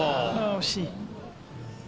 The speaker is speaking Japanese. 惜しい。